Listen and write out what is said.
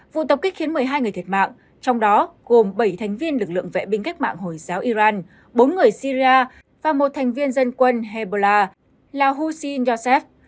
vụ tập kích khiến một mươi hai người thiệt mạng trong đó gồm bảy thành viên lực lượng vệ binh cách mạng hồi giáo iran bốn người syria và một thành viên dân quân hebola là hoshi giorsev